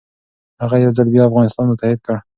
هغه یو ځل بیا افغانستان متحد کړ.